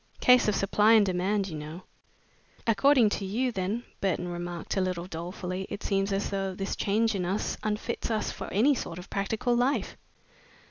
Case of supply and demand, you know." "According to you, then," Burton remarked, a little dolefully, "it seems as though this change in us unfits us for any sort of practical life."